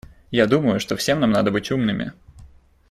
Я думаю, что всем нам надо быть умными.